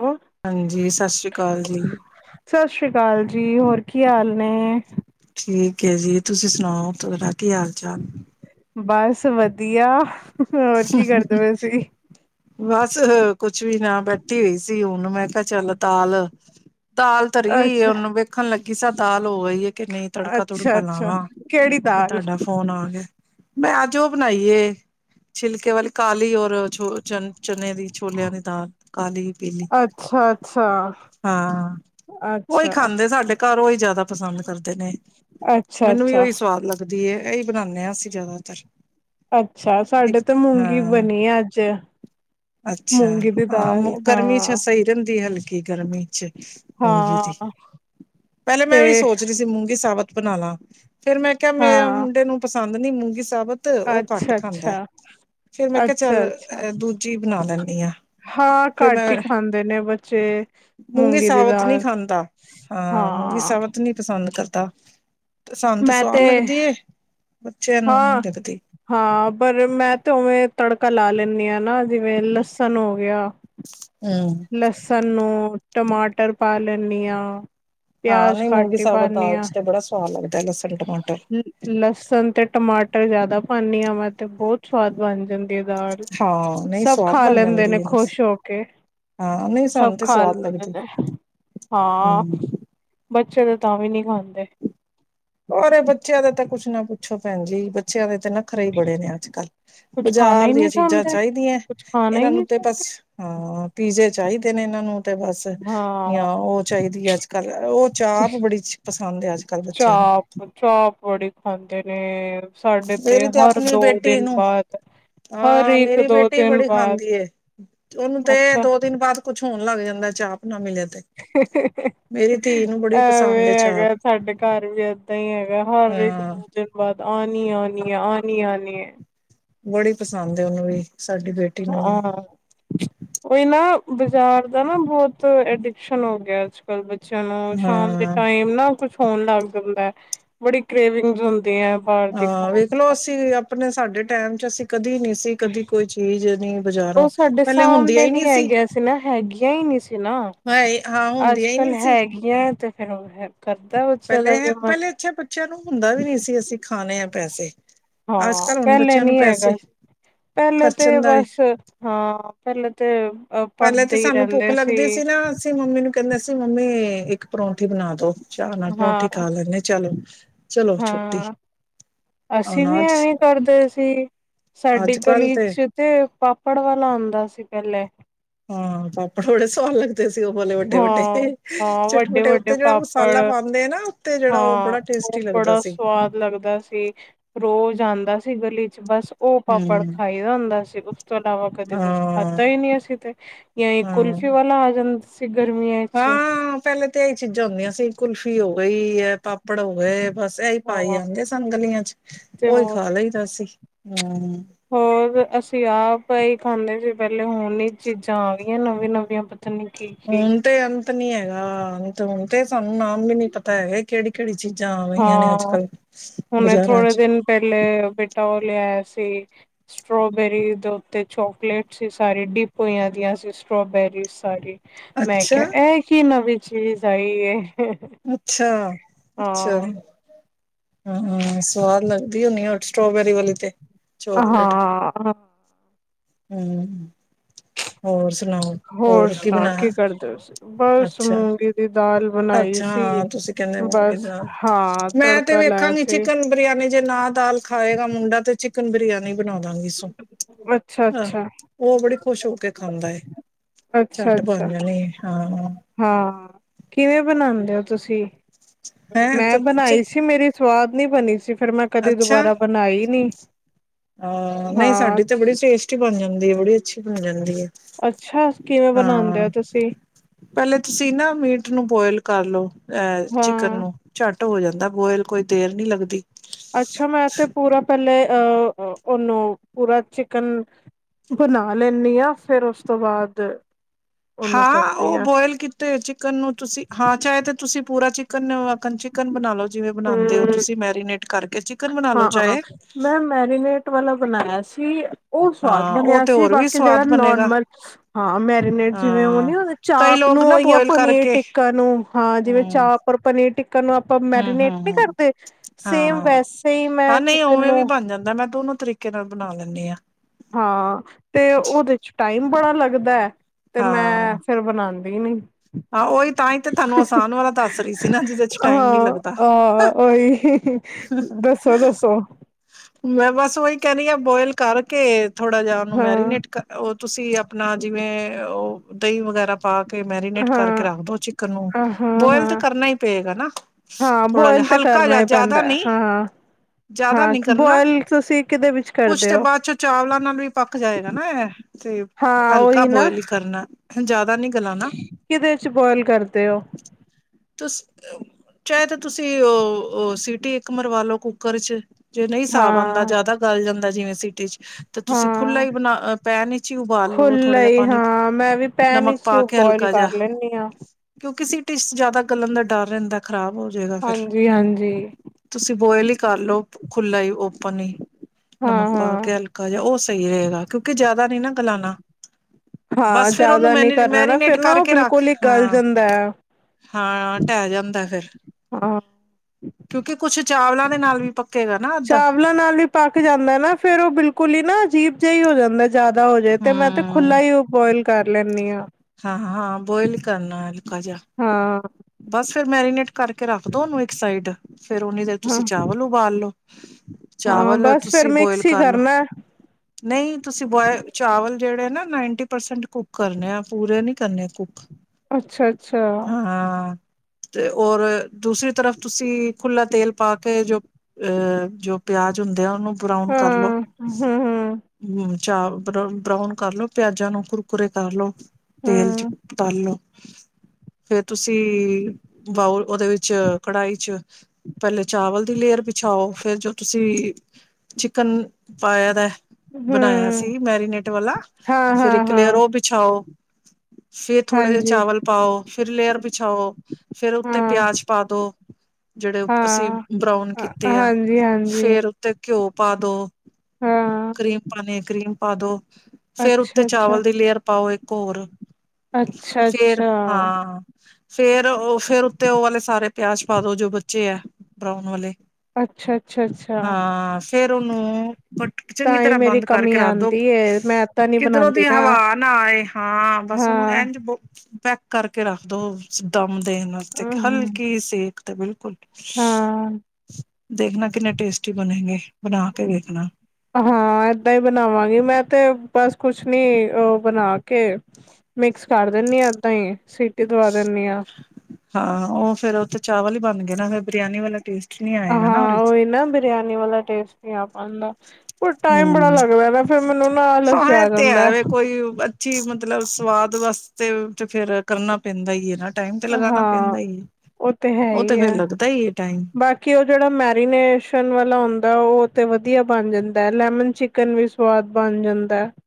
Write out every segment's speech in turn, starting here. ਅ, ਹਾਂਜੀ ਸਤਿ ਸ੍ਰੀ ਅਕਾਲ ਜੀ ਸਤ ਸ੍ਰੀ ਕਾਲ ਜੀ ਹੋਰ ਕੀ ਹਾਲ ਨੇ? ਠੀਕੇ ਜੀ ਤੁਸੀਂ ਸੁਣਾਓ, ਤੋਰਾ ਕੀ ਹਾਲ ਚਾਲ? ਬਸ ਵਧੀਆ। ਹੋਰ ਕੀ ਕਰਦੇ ਪਏਸੀ? ਬਾਸ ਕੁਛ ਵੀ ਨਾ ਬੈਠੀ ਹੋਈ ਸੀ। ਔ ਉਨੂੰ ਮੈਂ ਕਿਹਾ ਚੱਲ ਤਾਲ ਦਾਲ ਧਰੀ ਹੋਈਏ ਅੱਛਾ, ਉਨੂੰ ਵੇਖਣ ਲੱਗੀ ਸਾ ਦਾਲ ਹੋ ਗਈ ਏ ਕਿ ਨਹੀਂ, ਤੜਕਾ ਅੱਛਾ, ਤੁੜਕਾ ਅੱਛਾ ਲਾਵਾਂ ਕਿਹੜੀ ਤੇ ਦਾਲ? ਤਾਡਾ ਫੋਨ ਆ ਗਿਐ। ਮੈਂ ਅੱ ਜੋ ਬਣਾਈ ਏ ਛਿਲਕੇ ਵਾਲੀ ਕਾਲੀ ਔਰ ਛੋ ਚਨ ਚਨੇ ਦੀ ਛੋਲਿਆਂ ਦੀ ਦਾਲ ਕਾਲੀ ਪੀਲੀ। ਅੱਛਾ, ਅੱਛਾ, ਹਾਂ, ਓਹੀ ਅੱਛਾ, ਖਾਂਦੇ ਸਾਡੇ ਘਰ ਓਹੀ ਜੈਦਾ ਪਸੰਦ ਕਰਦੇ ਨੇ ਅੱਛਾ, ਮੈਨੂੰ ਵੀ ਅੱਛਾ। ਓਹੀ ਸਵਾਦ ਲੱਗ ਦੀ ਇਹੀ ਬਣਾਉਦੇ ਹਾਂ ਅਸੀਂ ਜ਼ਿਆਦਾਤਰ ਅੱਛਾ, ਇੱਕ ਸਾਡੇ ਤੇ ਮੂੰਗੀ ਹਾਂ ਬਣੀ ਏ ਅੱਜ। ਅੱਛਾ ਮੂੰਗੀ ਦੀ ਹਾਂ ਦਾਲ, ਗਰਮੀ ਚ ਹਾਂ, ਸਹੀ ਰਹਿੰਦੀ ਹਲਕੀ ਗਰਮੀ ਚ ਮੂੰਗੀ ਦੀ ਹਾਂ ਪਹਿਲੇ ਤੇ ਮੈਂ ਵੀ ਸੋਚ ਰਹੀ ਸੀ ਮੂੰਗੀ ਸਾਬਤ ਬਣਾ ਲਾਂ ਫਿਰ ਮੈਂ ਕਿਹਾ ਮੇ ਹਾਂ। ਮੁੰਡੇ ਨੂੰ ਪਸ ਸੰਦ ਨੀ ਮੂੰਗੀ ਸਾਬਤ ਉਹ ਕਢ ਅੱਛਾ, ਅੱਛਾ ਅੱਛਾ ਅੱਛਾ ਦੂਜੀ ਬਣਾ ਲੈਂਦੀ ਹਾਂ ਹਾਂ ਫੇਰ ਘੱਟ ਮੈਂ ਹੀ ਖਾਂਦੇ ਨੇ ਬੱਚੇ, ਮੂੰਗੀ ਦੀ ਸਾਬਤ ਨਹੀਂ ਦਾਲ। ਖਾਂਦਾ ਮੂੰਗੀ ਹਾਂ। ਸਾਬਤ ਨੀ ਪਸੰਦ ਕਰਦਾ। ਤੇ ਸਾਨੂੰ ਤੇ ਸਵਾਦ ਲੱਗਦੀ ਐ। ਹਾਂ ਹਾਂ ਪਰ ਮੈਂ ਤੇ ਉਵੇਂ ਤੜਕਾ ਲਾ ਲੈਂਣੀ ਆਂ। ਨਾ ਜਿਵੇਂ ਲਸਣ ਹੋ ਗਿਆ ਹਮ ਲਸਨ ਨੂੰ ਟਮਾਟਰ ਪਾ ਲੈਂਣੀ ਆਂ। ਹਾਂ ਪਿਆਜ ਨਹੀਂ ਮੂੰਗੀ ਘਟ ਈ ਸਾਬਤ ਪਾਣੀ ਦਾਲ ਆਂ ਚ ਤੇ ਬੜਾ ਸਵਾਦ ਲੱਗਦਾ ਲਸਣ ਟਮਾਟਰ ਲਸਣ ਤੇ ਟਮਾਟ ਜਿਆਦਾ ਪਾਣੀ ਆਂ ਮੈਂ ਤੇ ਬਹੁਤ ਸਵਾਦ ਬਣ ਜਾਂਦ ਦਾਲ ਹਾਂ ਨਹੀਂ ਸਭ ਸਵਾਦ ਖਾ ਬਣ ਲੈਂਦੇ ਨੇ ਜਾਂਦੀ ਹੈ ਬਸ ਖੁਸ਼ ਹੋ ਕੇ। ਹਾਂ ਨਹੀਂ ਸਭ ਸਾਨੂੰ ਤੇ ਖਾ ਲ ਸਵਾਦ ਲੱਗਦੀ [unintelligible] ਹਾਂ ਹੂੰ ਬੱਚੇ ਤੇ ਤਾਂ ਵੀ ਨਈਂ ਖਾਂਦੇ। ਭੈਣਜੀ ਬੱਚਿਆਂ ਦੇ ਤੇ ਨੱਖਰੇ ਹੀ ਬੜੇ ਨੇ ਅੱਜ ਕੱਲ੍ਹ ਕੁਛ ਖਾਣਾ ਬਾਜ਼ਾਰ ਹੀ ਦੀਆਂ ਨਹੀਂ ਚੀਜ਼ਾਂ ਚਾਹੁੰਦੇ ਚਾਈਦੀਆਂ ਕੁਛ ਖਾਣਾ ਹੀ ਇਹਨਾਂ ਨੂੰ ਨਹੀਂ ਤੇ ਬਸ ਚਾਹੁੰਦੇ ਹਾਂ ਪੀਜ਼ੇ ਚਾਹੀਦੇ ਨੇ ਇਹਨਾਂ ਨੂੰ ਤੇ ਬਸ, ਹਾਂ ਜਾਂ ਉਹ ਚਾਹੀਦੀ ਅੱਜ ਕੱਲ ਉਹ ਚਾਪ ਬੜੀ ਪਸੰਦ ਆ ਅੱਜ ਕੱਲ੍ਹ ਬੱਚਿਆਂ ਨੂੰ ਚਾਪ ਚਾਪ ਬੜੀ ਖਾਂਦੇ ਨੇ ਸਾਡੇ ਮੇਰੀ ਤੇ ਹਰ ਆਪਣੀ ਦੋ ਬੇਟੀ ਦਿਨ ਨੂੰ, ਬਾਅਦ ਹਰ ਹਾਂ ਇੱਕ ਮੇਰੀ ਦੋ ਬੇਟੀ ਦਿਨ ਬੜੀ ਖਾਂਦੀ ਬਾਅਦ ਏ, ਉਹਨੂੰ ਤੇ ਅੱਛਾ ਦੋ ਦਿਨ ਬਾਅਦ ਕੁਛ ਹੋਨ ਲੱਗ ਜਾਂਦਾ ਚਾਪ ਨਾ ਮਿਲੇ ਤੇ ਮੇਰੀ ਧੀ ਨੂੰ ਬੜੀ ਪਸੰਦ ਹੈ ਐਵੇਂ ਚਾਪ ਹੈਗਾ ਸਾਡੇ ਘਰ ਵੀ ਏਦਾਂ ਈਂ ਹੈਗਾ ਹਰ ਇੱਕ ਹਾਂ ਦੂਜੇ ਦਿਨ ਬਾਅਦ ਆ ਆਨੀ ਆਂ, ਆਨੀ ਆਂ, ਆਨੀ ਆਂ, ਆਨੀਅ। ਬੜੀ ਪਸੰਦ ਐ ਉਹਨੂੰ ਵੀ, ਸਾਡੀ ਬੇਟੀ ਨੂੰ ਵੀ। ਹਾਂ ਬਜ਼ਾਰ ਦਾ ਨਾ, ਬਹੁਤ ਅਡਿਕਸ਼ਨ ਹੋ ਗਿਆ ਅੱਜਕੱਲ੍ਹ ਚਲੋ ਸ਼ਾਮ ਦੇ ਹਾਂ ਟਾਈਮ ਨਾ, ਕੁਛ ਹੋਣ ਲੱਗ ਜਾਂਦਾ ਬੜੀ ਕਰੇਵਿੰਗਜ ਹੁੰ ਆਂ ਵੇਖਲੋ ਅਸੀਂ ਆਪਣੇ ਸਾਡੇ ਟਾਈਮ ਚ ਅਸੀਂ ਕਦੀ ਨੀ ਸੀ, ਕਦੀ ਕੋਈ ਚੀਜ਼ ਨੀ ਉਹ ਬਜ਼ਾਰੋਂ, ਸਾਡੇ ਪਹਿਲੇ ਹੁੰਦੀਆਂ ਸਾਹਮਣੇ ਹੀ ਨੀ ਸੀ। ਹੈਗੀਆਂ ਨਾ ਹੈਗੀਆਂ ਹੀ ਨਹੀਂ ਨਾ, ਹੈ ਹਾਂ ਅੱਜ ਹੁੰਦੀਆਂ ਹੀ ਕੱਲ ਨਹੀਂ ਸੀ ਹੈਗੀਆਂ ਤੇ ਫਿਰ ਉਹ ਫਿਰ ਪਹਿਲੇ, ਪਹਿਲੇ ਅੱਛੇ ਬੱਚਿਆਂ ਨੂੰ ਹੁੰਦਾ ਵੀ ਨਹੀਂ ਸੀ, ਅਸੀਂ ਖਾਨੇ ਆ। ਪੈਸੇ। ਅੱਜ ਹਾਂ, ਕੱਲ੍ਹ ਹੁਣ ਪਹਿਲੇ ਬੱਚਿਆਂ ਨੂੰ ਨੀ ਪੈਸੇ ਹੈਗਾ ਸੀ ਪਹਿਲੇ ਤੇ ਖਰਚਣ ਦਾ ਵੀ ਬਸ ਹਾਂ ਪਹਿਲੇ ਤੇ ਪਹਿਲਾਂ ਪੜ੍ਹਦੇ ਤਾਂ ਹੀ ਸਾਨੂੰ ਭੁੱਖ ਰਹਿੰਦੇ ਲੱਗਦੀ ਸੀ ਨਾ, ਅਸੀਂ ਮੰਮੀ ਨੂੰ ਕਹਿੰਦੇ ਸੀ। ਤੁਸੀਂ ਮੰਮੀ ਇੱਕ ਪਰੌਂਠੀ ਬਣਾ ਦੋ। ਚਾਰ ਨਾਲ ਪਰੋਂਠੀ ਖਾ ਲੈਂਦੇ ਚਲੋ। ਚਲੋ ਛੁੱਟੀ ਹਮ, ਅਸੀਂ ਹੁਣ ਵੀ ਅੱਜ ਐਵੇਂ ਕਰਦੇ ਸੀ, ਸਾਡੀ ਅੱਜ ਕੱਲ ਗਲੀ ਚ ਤੇ ਪਾਪੜ ਵਾਲਾ ਆਂਦਾ ਸੀ। ਪਹਿਲੇ ਹਾਂ, ਪਾਪੜ ਬੜੇ ਸੁਆਦ ਲਗਦੇ। ਤੇ ਅਸੀ ਉਹ ਵਾਲੇ ਵੱਡੇ ਵੱਡੇ ਹਾਂ ਹਾਂ ਚਟਪਟੇ ਉੱਤੇ, ਜਿਹੜਾ ਮਸਾਲਾ ਪਾਉਂਦੇ ਆ ਨਾ। ਉੱਤੇ ਜਿਹੜਾ ਉਹ ਬੜਾ ਹਮ, ਉਹ ਟੇਸਟੀ ਲੱਗਦਾ ਬੜਾ ਸੀ ਸਵਾਦ ਲੱਗਦਾ ਸੀ ਰੋਜ਼। ਜਾਂਦਾ ਸੀ ਗਲੀ ਚ ਬਸ। ਉਹ ਪਾਪੜ ਹੂੰ ਖਾਈ ਦਾ ਹੁੰਦਾ ਸੀ, ਉਸ ਤੋਂ ਇਲਾਵਾ ਕਦੇ ਕੁੱਛ ਹਾਂ ਖਾਦਾ ਈ ਨੀ ਅਸੀ ਤੇ। ਯ ਹਾਂ ਕੁਲਫੀ ਵਾਲਾ ਆ ਜਾਂਦਾ ਸੀ, ਗਰਮੀਆਂ ਵਿੱਚ। ਹਾਂ ਪਹਿਲੇ ਤੇ ਇਹ ਚੀਜ਼ਾਂ ਹੁੰਦੀਆਂ ਸੀ, ਕੁਲਫ਼ੀ ਹੋ ਗਈ ਐ ਪਾਪ ਪੜੋਏ ਬਸ ਇਹੀ ਭਾਈ ਹਾਂ ਆਦੇ ਸਨ ਗਲੀਆਂ ਚ ਤੇ ਉਹੀ ਹੋਰ ਖਾ ਲਈਦਾ ਸੀ। ਹਮ। ਹੋਰ ਅਸੀਂ ਆਪ ਐਈ ਖਾਂਦੇ ਸੀ ਪਹਿਲੇ, ਹੁਣ ਨ ਚੀਜ਼ਾਂ ਆ ਗਈਆਂ ਨਵੀਂ ਨਵੀਆਂ,। ਪਤਾ ਨੀ ਕੀ ਕੀ ਹੁਣ ਤੇ, ਅੰਤ ਨੀ ਹੈਗਾ। ਤੇ ਸਾਨੂੰ ਨਾਮ ਵੀ ਨੀ ਪਤਾ ਹੈਗਾ, ਇਹ ਕਿਹੜੀ ਕਿਹੜੀ ਚੀਜ਼ਾਂ ਆ ਗਈਆਂ ਨੇ ਹਾਂ ਅੱਜ ਕੱਲ ਬਾਜ਼ਾਰਾਂ ਚ ਟਾ ਲਿਆਇਆ ਸੀ ਸਟ੍ਰੋਬੇਰੀ ਦੇ ਉੱਤੇ ਚੋਕਲੇਟ ਸੀ ਸਾਰੀ ਡਿਪ ਹੋਈਆਂ ਦੀਆਂ ਸੀ ਸਟ੍ਰੋਬੇਰੀਜ ਸਾਰੀ ਮੈਂ ਅੱਛਾ ਕਿਹਾ, ਇਹ ਕੀ ਨਵੀਂ ਚੀਜ ਆਈ ਐ ਅੱਛਾ ਅੱਛਾ ਹਾਂ ਹਾਂ, ਸਵਾਦ ਲੱਗਦੀ ਹੁੰਦੀ ਸਟ੍ਰੋਾਬੇਰੀ ਵਾਲੀ ਤੇ ਹਾਂ ਹਾਂ ਹੂ ਹੋਰ ਸੁਣਾ ਕੀ ਕਰਦੇ ਔ ਤੁਂਸੀ ਬਸ ਅੱਛਾ ਮੂੰਗੀ ਦੀ ਦਾਲ ਬਣਾਈ ਅੱਛਾ ਸੀ ਤੁਸੀਂ ਕਹਿੰਦੇ ਮੂੰਗੀ ਬਸ ਦਾਲ, ਹਾਂ ਮੈਂ ਤੇ ਤੜਕਾ ਲਾਇਆ ਵੇਖਾਂਗੀ ਸੀ ਚਿਕਨ ਬਰਿਆਨੀ ਜੇ ਨਾ ਦਾਲ ਖਾਏਗਾ ਮੁੰਡਾ, ਤੇ ਚਿਕਨ ਬਿਰਿਆਨੀ ਬਣਾ ਦਾਂ ਗੀ ਸੁ, ਅੱਛਾ ਅੱਛਾ ਉਹ ਬੜੀ ਖੁਸ਼ ਹੋ ਕੇ ਖਾਂਦਾ ਏ ਅੱਛਾ ਝੱਟ ਅੱਛਾ, ਬਣ ਜਾਣੀ ਏ ਹਾਂ ਹਾਂ, ਕਿਵੇਂ ਬਣਾਉਂਦੇ ਹੋ ਤੁਸੀਂ ਹੈਂ ਮੈਂ ਚ ਬਣਾਈ ਸੀ ਮੇਰੀ ਸਵਾਦ ਨਹੀਂ ਬਣੀ ਸੀ ਫਿਰ ਮੈਂ ਕਦੇ ਅੱਛਾ ਦੁਬਾਰਾ ਬਣਾਈ ਨੀ ਹਾਂ ਨਹੀਂ ਹਾਂ ਸਾਡੀ ਤੇ ਬੜੀ ਟੇਸਟੀ ਬਣ ਜਾਂਦੀ ਹੈ, ਬੜੀ ਅੱਛੀ ਬਣ ਜਾਂਦੀ ਹੈ ਅੱਛਾ ਕਿਵੇਂ ਬਣਾਉਂਦੇ ਹਾਂ ਹੋ ਤੁਸੀਂ ਪਹਿਲੇ ਤੁਸੀਂ ਨਾ ਮੀਟ ਨੂੰ ਬੋਇਲ ਕਰਲਓ ਅਹ ਚਿਕਨ ਹਾਂ ਨੂੰ ਝੱਟ ਹੋ ਜਾਂਦਾ ਵੋਇਲ ਕੋਈ ਦੇਰ ਨੀ ਲੱਗਦੀ ਅੱਛਾ ਮੈਂ ਤੇ ਪੂਰਾ ਪਹਿਲੇ ਅਹ ਉਹਨੂੰ ਪੂਰਾ ਚਿਕਨ ਬਣਾ ਲੈਂਦੀ ਹਾਂ ਫਿਰ ਉਸ ਤੋਂ ਬਾਅਦ ਉਹਨੂੰ ਹਾਂ ਕਰਦੀ ਉਹ ਆ ਬੋਇਲ ਕੀਤੇ ਚਿਕਨ ਨੂੰ ਤੁਸੀਂ, ਹਾਂ ਚਾਹ ਤੇ ਤੁਸੀਂ ਪੂਰਾ ਚ ਇਨਾ ਵਕਣ ਚਿਕਨ ਬਣਾ ਲੋ ਜਿਵੇਂ ਬਣਾਉਂਦੇ ਹੋ ਹਮ ਤੁਸੀਂ ਮੈਰੀਨੇਟ ਕਰਕੇ ਚਿ ਹਾਂ ਹਾਂ ਮੈਂ ਮੈਰੀਨੇਟ ਵਾਲਾ ਬਣਾਇਆ ਸੀ ਕਿ ਉਹ ਸਵਾਦ ਹਾਂ ਉਹ ਬਣਿਆ ਤੇ ਸੀ, ਹੋਰ ਵੀ ਬਾਕੀ ਜਿਹੜਾ ਸਵਾਦ ਬਣੇਗਾ ਨੋਰਮਲ ਹਾਂ ਮੈਰੀਨੇਟ ਜਿਵੇਂ ਉਹ ਹਾਂ ਨ ਕਈ ਚਾਪ ਲੋਕ ਨੂੰ ਨਾ ਜਾਂ ਬੋਇਲ ਪਨੀਰ ਕਰਕੇ ਟਿੱਕਾ ਨੂੰ ਹਾਂ ਜਿਵੇਂ ਹਮ ਚਾਪ ਔਰ ਪਨੀਰ ਟਿੱਕਾ ਨੂੰ ਆਪਾਂ ਹਮ ਮੈਰੀਨੇਟ ਹਮ ਨ ਹਮ ਕਰਦੇ ਹਾਂ ਸੇਮ ਹਾਂ ਵੈਸ ਹਾਂ ਨਹੀਂ ਉਵੇਂ ਵੀ ਬਣ ਜਾਂਦਾ ਮੈਂ ਦੋਨੋ ਤਰੀਕੇ ਨਾਲ ਬਣਾ ਲੈਂਦੀ ਹਾਂ ਹਾਂ ਤੇ ਜੀ ਉਹਦੇ ਚ ਟਾਈਮ ਬੜਾ ਲੱਗਦਾ ਤੇ ਹਾਂ ਮੈਂ ਫਿਰ ਬਣਾਉਦੀ ਨਹੀਂ ਨਹੀਂ ਹਾਂ ਉਹੀ ਤਾਂ ਹੀ ਤੇ ਤੁਹਾਨੂੰ ਆਸਾਨ ਵਾਲਾ ਦੱਸ ਰਹੀ ਸੀ ਨਾ ਜਿਹਦੇ ਚ ਟਾਈਮ ਨੀ ਹਾਂ ਲੱਗਦਾ ਹਾਂ ਉਹੀ ਦੱਸੋ ਦੱਸੋ ਮੈਂ ਬਸ ਉਹੀ ਕਹਿ ਰੀਆ ਬੋਇਲ ਕਰਕੇ ਥੋੜਾ ਜਿਹਾ ਉਹਨੂੰ ਹਾਂ ਮੈਰੀਨੇਟ ਕਰ ਉਹ ਤੁਸੀਂ ਆਪਣਾ ਜਿਵੇਂ ਉਹ ਦਹੀਂ ਵਗੈਰਾ ਪਾ ਕੇ ਕੇ ਮੈਰੀਨੇਟ ਕਰਕੇ ਹਾਂ ਰੱਖ ਦੋ ਚਿਕਨ ਨੂੰ ਹਾਂ ਬੋਇਲ ਹਾਂ ਤਾਂ ਕਰਨਾ ਹੀ ਪਏਗਾ ਨਾ ਹਾਂ ਥੋੜਾ ਜਿਹਾ ਬੋਇਲ ਤਾਂ ਕਰਨਾ ਹੀ ਪੈਣਾ ਹਲਕਾ ਨੀ ਜਿਆਦਾ ਨੀ ਕਰਨਾ ਬੋਇਲ ਤੁਸੀਂ ਕਿਦੇ ਵਿੱਚ ਕੁਛ ਕਰਦੇ ਤੇ ਹੋ ਬਾਅਦ ਚੋਂ ਚਾਵਲਾਂ ਨਾਲ ਵੀ ਪੱਕ ਜਾਏਗਾ ਨਾ ਇਹ ਤੇ ਹਲਕਾ ਬੋਇਲ ਹੀ ਕਰਨਾ ਜ਼ਿਆਦਾ ਨੀ ਗਲਾਣਾ ਕਿਹਦੇ ਚ ਬੋਆਇਲ ਕਰਦੇ ਹੋ ਤੁਸ ਚਾਹੇ ਤਾਂ ਤੁਸੀਂ ਉਹ ਉਹ ਸੀ ਸਿਟੀ ਇੱਕ ਮਰਵਾਾਲੋ ਕੁੱਕਰ ਚ ਜੇ ਨਹੀਂ ਹਿਸਾਬ ਆਉਂਦਾ ਹਾਂ ਜ਼ਿਆਦਾ ਗਲ ਜਾਂਦਾ ਜਿਵੇਂ ਜੇ ਸਟੀ ਚ ਤਾਂ ਤੁਸੀਂ ਖੁਲਾ ਹਾਂ ਹੀ ਬਣਾ ਪੈਨ ਵਿਚ ਹੀ ਉਬਾਲ ਲਵੋ ਥੋੜ੍ਹਾ ਖੁੱਲਾ ਜਿਹਾ ਹੀ ਪਾਣੀ ਹਾਂ ਮੈਂ ਵੀ ਪੈਨ ਨਮਕ ਵਿੱਚ ਹੀ ਪਾ ਕੇ ਬੋਇਲ ਹਲਕਾ ਜਿਹਾ ਕਰ ਲੈਂਦੀ ਹਾਂ ਕਿਉਂਕਿ ਜਿਆਦਾ ਗਲਨ ਦਾ ਡਰ ਰਹਿੰਦਾ ਖ਼ਰਾਬ ਹੋ ਜਾਏਗਾ ਫਿਰ ਹਾਂਜੀ ਹਾਂਜੀ ਤੁਸੀਂ ਬੋਇਲ ਕਰਲਓ ਖੁੱਲਾ ਉਹ ਖ ਪੂਨਲੀ ਪ ਹਾਂ ਨਮਕ ਪਾ ਹਾਂ ਕੇ ਹਲਕਾ ਜਿਹਾ ਉਹ ਸਹੀ ਰਹੇਗਾ ਕਿਉਂਕਿ ਜ਼ਿਆਦਾ ਦਾ ਨੀ ਨਾ ਗਲਣਾਾ ਹਾਂ ਬਸ ਫਿਰ ਉਹਨੂੰ ਜ਼ਿਆਦਾ ਨੀ ਮੈਰੀ ਕਰਨਾ ਨਾ ਮੈਰੀਨੇਟ ਫਿਰ ਨਾ ਉਹ ਕਰਕੇ ਰੱਖ ਬਿਲਕੁਲ ਹੀ ਗਲ ਹਾਂ ਜਾਂਦਾ ਹੈ ਹਾਂ ਢਹਿ ਜਾਂਦਾ ਫਿਰ ਹਾਂ ਕਿਉਂਕਿ ਕੁਛ ਚਾਵਲਾਂ ਦੇ ਨਾਲ ਵੀ ਪੱਕੇਗਾ ਨਾ ਅੱਧਾ ਚਾਵਲਾਂ ਨਾਲ ਹੀ ਪੱਕ ਜਾਂਦਾ ਨਾ ਫੇਿਰ ਉਹ ਬਿਲਕੁਲ ਹੀ ਨਾ ਅਜੀਬ ਜਾ ਹੀ ਹੋ ਜਾਂਦਾ ਜ਼ਿਆਦਾ ਹੋ ਜਾਏ ਤੇ ਮੈਂ ਤੇ ਖੁੱਲਾ ਹੀ ਬੋਇਲ ਕਰ ਲੈਂਦੀ ਹਾਂ ਹਾਂ ਹਾਂ ਬੋਇਲ ਕਰਨਾ ਹਲਕਾ ਜਿਹਾ ਹਾਂ ਬਸ। ਮੈਰੀਨੇਟ ਕਰਕੇ ਰੱਖਦੋ ਉਹਨੂੰ ਇੱਕ ਸਾਈਡ ਫਿਰ ਓਨੀ ਦੇਰ ਹਾਂ ਤੁਸੀਂ ਚਾਵਲ ਉਬਾਲ ਲਉ। ਹਾਂ ਚਾਵਲ ਬਸ ਫੇਰ ਤੁਸੀਂ ਬੋਇਲ ਮਿਕਸ ਹੀ ਕਰ ਲਉ। ਕਰਨਾ ਨਹੀਂ। ਤੁਸੀਂ ਬੋਏ ਚਾਵਲ ਜਿਹੜੇ ਨਾ ਨਾਈਨਟੀ ਪਰਸੈਂਟ ਕੁੱਕਰ ਨੇ। ਇਹ ਨਹੀਂ ਕਰਨੇ ਕੁੱਕ। ਅੱਛਾ ਅੱਛਾ। ਹਾਂ ਤੇ ਔਰ ਦੂਸਰੀ ਤਰਫ ਤੁਸੀਂ ਖੁੱਲਾ ਤੇਲ ਪਾ ਕੇ ਜੋ ਅਹ ਜੋ ਪਿਆਜ ਹੁੰਦੇ ਆ, ਉਹਨੂੰ ਬਰਾਊਨ ਕਰਲੋ, ਹਾਂ ਹਮ ਹਮ ਹੂੰ। ਚਾਵ ਬਰਾਊਨ ਬਰਾਉਨ ਕਰਲੋ, ਪਿਆਜ਼ਾਂ ਨੂੰ ਕੁਰਕੁੁਰੇ ਕਰ ਲਉ। ਤੇਲ ਚ ਹਮ ਤਲ ਲਓ। ਫੇਰ ਤੁਸੀਂ ਬਾਊਲ ਉਹਦੇ ਵਿੱਚ ਕੜਾਹੀ ਚ ਪਹਿਲੇ ਚਾਵਲ ਦੀ ਲੇਅਰ ਬਿਛਾਓ। ਫੇਰ ਜੋ ਤੁਸੀਂ ਚਿਕਨ ਪਾਇਆ ਦਾ। ਬਣਾਇਆ ਸੀ ਹਮ ਮੈਰੀਨੇਟ ਵਾਲਾ, ਹਾਂ ਫੇਰ ਹਾਂ ਇੱਕ ਲੇਅਰ ਹਾਂ ਉਹ ਬਿਛਾਓ। [unintelligible] ਫੇਰ ਥੋੜੇ ਜਿਹੇ ਹਾਂਜੀ ਚਾਵਲ ਪਾਓ। ਫਿਰ ਲੇਅਰ ਬਿਛਾਓ ਫੇਰ ਉੱਤੇ ਹਾਂ ਪਿਆਜ ਪਾ ਦੋ। ਜਿਹੜੇ ਅਸੀਂ ਹਾਂ ਬਰਾਉਨ ਕੀਤੇ ਆ, ਹਾਂਜੀ ਹਾਂਜੀ ਫੇਰ ਉੱਤੇ ਘਿਓ ਪਾ ਦਉ। ਹਾਂ ਕਰੀਮ ਪਾਣੀ ਆ, ਕਰੀਮ। ਪਾ ਦਉ। ਫੇਰ ਉੱਤੇ ਚਾਵਲ ਦੀ ਲੇਅਰ ਪਾਓ ਇੱਕ। ਹੋਰ। ਫੇਰ ਅੱਛਾ-ਅੱਛਾ। ਹਾਂ ਫੇਰ ਉਹ ਫੇਰ ਉੱਤੇ ਉਹ ਵਾਲੇ ਸਾਰੇ ਪਿਆਜ ਪਾ ਦਉ ਜੋ ਬਚੇ ਐ, ਬਰਾਊਨ ਵਾਲੇ। ਅੱਛਾ ਅੱਛਾ ਅੱਛਾ ਹਾਂ ਫੇਰ ਉਹਨੂੰ ਪਟ ਚੰਗੀ ਤਾਂ ਹੀ ਤਰ੍ਹਾਂ ਮੇਰੀ ਬੰਦ ਕਮੀ ਕਰਕੇ ਰੱਖ ਦਿਉ, ਆਉਂਦੀ ਹੈ, ਮੈਂ ਤਾਂ ਨੀ ਕਿੱਧਰੋ ਬਣਾਉਂਦੀ ਦੀ ਹਵਾ ਨਾ ਆਏ। ਹਾਂ ਬਸ ਉਹਨੂੰ ਹਾਂ ਇੰਝ ਬ ਪੈਕ ਕਰਕੇ ਰੱਖ ਦਿਉ, ਦਮ ਦੇਣ ਵਾਸਤੇ ਹਲਕੀ ਸੇਕ ਤੇ। ਤੇ ਬਿਲਕੁਲ ਹਾਂ ਦੇਖਣਾ ਕਿੰਨੇ ਟੇਸਟੀ ਬਣੇਗੇ ਬਣਾ ਕੇ ਵੇਖਣਾ ਹਾਂ ਏਦਾਂ ਹੀ ਬਣਾਵਾਂਗੀ ਮੈਂ ਤੇ ਬਸ ਕੁਛ ਨੀ ਉਹ ਬਣਾ ਕੇ ਮਿਕਸ ਕਰ ਦਿੰਦੀ ਹ ਏਦਾਂ ਹੀ ਸੀਟੀ ਦਵਾ ਦਿੰਦੀ ਆ ਹਾਂ ਉਹ ਫੇਰ ਉੱਥੇ ਚਾਵਲ ਹੀ ਬਣਗੇ ਇਹਨਾਂ ਨੇ ਬਿਰਆਨੀ ਵਾਲਾ ਟੇਸਟ ਨਹੀਂ ਆਏਗਾ ਨਾ ਹਾਂ ਉਹਦੇ ਚ ਉਹੀ ਨਾ ਬਿਰਿਆਨੀ ਵਾਲਾ ਟੇਸਟ ਨਹੀ ਆਂ। ਆਂਦਾ ਹਮ ਆਲਸ ਹਾਂ ਜਿਹਾ ਐ ਆ ਤੇ ਜਾਂਦਾ ਹੈ ਵੇ ਕੋਈ ਅੱਛੀ ਮਤਲਬ ਸਵਾਦ ਬੱਸ ਤੇ ੳਚ ਫੇਰ ਕਰਨਾ ਪੈਂਦਾ ਹੀ ਹੈ ਨਾ ਟਾਈਮ ਤੇ ਲਗਾਣਾ ਹਾਂ ਪੈਂਦਾ ਹੀ ਹੈ। ਉਹ ਤੇ ਹੈ ਹੀ ਫੇਰ ਆ ਲੱਗਦਾ ਹੀ ਹੈ ਟਾਈਮ ਬਾਕੀ ਉਹ ਜਿਹੜਾ ਮੈਰੀਨੇਸ਼ਨ ਵਾਲਾ ਹੁੰਦਾ ਉਹ ਤੇ ਵਧੀਆ ਬਣ ਜਾਂਦਾ ਹੈ, ਲੈਮਨ ਚਿਕਨ ਵੀ ਸਵਾਦ ਬਣ ਜਾਂ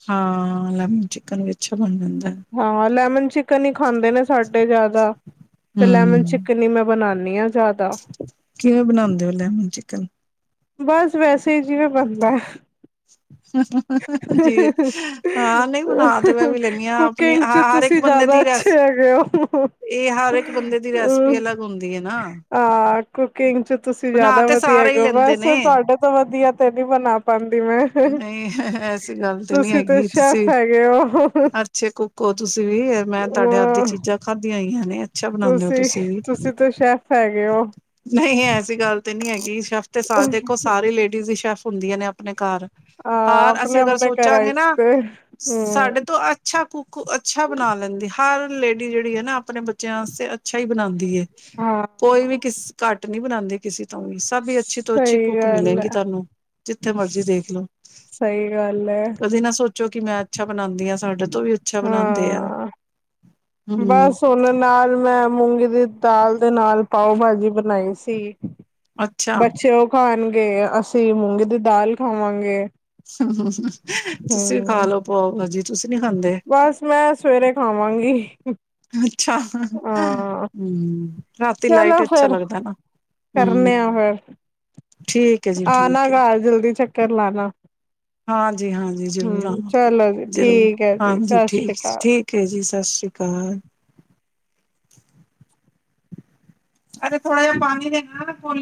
ਹਾਂ ਲੈਮਨ ਚਿਕਨ ਵੀ ਅੱਛਾ ਬਣ ਜਾਂਦਾ। ਹਾਂ ਲੈਮਨ ਚਿਕਨ ਈ ਖਾਂਦੇ ਨੇ ਸਾਡੇ ਜਿਆਦਾ, ਤੇ ਲੈਮਨ ਹੂੰ ਚਿਕਨ ਹੀ ਮੈਂ ਬਨਾਨੀ ਆ [unintelligible] ਜ਼ਿਆਦਾ। ਕਿਵੇਂ ਬਣਾਦੇਂ ਓ ਲੈਮਨ ਚਿਕ ਕਨ। ਬਸ ਵੈਸੇ ਈ ਜਿਵੇਂ ਬਣਦਾ ਜੀ ਹਾਂ ਨਹੀਂ ਬਣਾ ਤੇ ਮੈਂ ਵੀ ਲੈਂਦੀ ਹਾਂ ਆਪਣੀ ਕੁਕਿੰਗ ਚ ਹਰ ਇੱਕ ਤੁਸੀਂ ਬੰਦੇ ਜ਼ਆਦਾ ਦੀ ਅੱਛੇ ਰੈਸ ਹੈਗੇ ਹੋ। ਇਹ ਹਰ ਇੱਕ ਬੰਦੇ ਦੀ ਰੈਸਪੀ ਅਲੱਗ ਹੁੰਦੀ ਹੈ ਨਾ ਆ ਕੁਕਿੰਗ ਚ ਤੁਸੀਂ ਬਣਾ ਜ਼ਆਦਾ ਤੇ ਵਧੀਆ ਸਾਰੇ ਹੈਗੇ ਹੀ ਹੋ, ਲੈਂਦੇ ਬਸ ਨੇ ਤੁਆਡੇ ਤੋਂ ਵਧੀਆ ਤੇ ਨਈਂ ਬਣਾ ਪਾਂਦੀ ਮੈਂ ਨਈ ਐਸੀ ਗੱਲ ਤੇ ਨੀ ਤੁਸੀਂ ਹੈਗੀ ਸ਼ੈਫ ਤੁਸੀਂ, ਹੈਗੇ ਹੋ। ਅੱਛੇ ਕੁਕ ਓ ਤੁਸੀਂ ਵੀ ਮੈਂ ਤੁਆਡੇ ਹਥ ਦੀ ਅ ਚੀਜ਼ਾਂ ਖਾਧੀਆਂ [unintelligible] ਨੇ ਅੱਛਾ ਬਣਾਂਦੇ ਓ ਤੁਸੀਂ ਵੀ, ਤਾਂ ਸ਼ੈਫ ਹੈਗੇ ਹੋ। ਨਈਂ ਐਸੀ ਗੱਲ ਤੇ ਨੀ ਹੈਗੀ ਸ਼ੈਫ ਤੇ ਸਾਡੇ ਕੋਲ ਸਾਰੇ ਲੇਡੀਜ਼ ਈ ਸ਼ੈਫ ਹੁੰਦੀਆਂ ਨੇ ਆਪਣੇ ਘਰ ਆ ਹਾਰ ਆਪਣੇ ਅਸੀਂ ਅਗਰ ਆਪਣੇ ਘਰਾਂ ਸੋਚਾਂਗੇ ਵਿੱਚ ਨਾ ਤੇ, ਹੰਮ੍ਹ। ਕੋ ਅੱਛਾ ਬਣਾ ਲੈਂਦੀ, ਹਰ ਲੇਡੀ ਜੇੜ੍ਹੀ ਏ ਨਾ ਆਪਣੇ ਬੱਚਿਆਂ ਵਾਸਤੇ ਅੱਛਾ ਹੀ ਬਣਾਂਦੀ ਏ। ਹਾਂ। ਕੋਈ ਵੀ ਕਿਸ ਘੱਟ ਨਹੀਂ ਬਣਾਂਦੀ ਕਿਸੀ ਸਭ ਅੱਛੀ ਤੋਂ ਅੱਛੀ ਸਹੀ ਕੁੱਕ ਗੱਲ ਹੈ। ਮਿਲੇਗੀ ਤੁਆਨੂੰ, ਜਿੱਥੇ ਮਰਜੀ ਦੇਖ ਲੀ। ਸਹੀ ਗੱਲ ਹੈ ਕਦੇ ਨਾ ਸੋਚੋ ਕਿ ਮੈਂ ਅੱਛਾ ਬਣਾਉਂਦੀ ਆ ਸਾਡਾ [unintelligible] ਬਣਾਉਂਦੇ ਹਾਂ ਹਮ ਬਸ ਉਹਨਾਂ ਨਾਲ ਮੈਂ ਮੂੰਗੀ ਦਾਲ ਦੇ ਨਾਲ ਪਾਓ ਭਾਜੀ ਬਣਾਈ ਸੀ। ਅੱਛਾ ਬੱਚੇ ਉਹ ਖਾਣ ਤੇ ਅਸੀਂ ਮੂੰਗੀ ਦੀ ਦਾਲ ਖਾਵਾਂਗੇ। ਤੁਸੀਂ ਖਾ ਹੂੰ। ਲੋੋ ਪਾਓ ਭਾਜੀ। ਤੁਸੀਂ ਨੀ ਖਾਂਦੇ ਬਸ ਮੈਂ ਸਵੇਰੇ ਖਾਵਾਂਗੀ। ਅੱਛਾ ਹ ਹਾਂ ਰਾਤੀ ਲਾਈਟ ਚਲੋ ਅੱਛਾ ਫੇਰ ਲੱਗਦਾ ਨਾ, ਹੂ। ਆਨਾ ਘਰ, ਜਲਦੀ ਚੱਕਰ ਲਾਣਾ। ਹਾਂਜੀ, ਹਾਂਜੀ ਜ਼ਰੂਰ ਹੂੰ ਆਵਾਂਗੇ, ਚਲੋ ਜੀ ਜ਼ਰੂਰ ਠੀਕ ਹੈ ਜੀ ਹਾਂਜੀ ਸਤਿ ਸ੍ਰੀ ਠੀਕ, ਅਕਾਲ। ਠੀਕ ਹੈ ਜੀ, ਸਤਿ ਸ਼੍ਰੀ ਅਕਾਲ। [unintelligible] ਅਰੇ ਥੋੜਾ ਜਿਹਾ ਪਾਣੀ ਦੇਣਾ ਨਾ ਕੋਈ।